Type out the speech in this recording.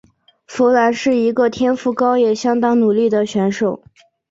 佛兰是一个天赋高也相当努力的选手。